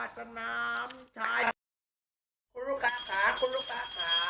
คุณลูกค้า